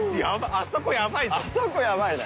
あそこやばいな。